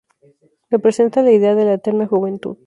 Representa la idea de la eterna juventud.